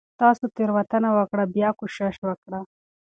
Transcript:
تاسو تيروتنه وکړه . بيا کوشش وکړه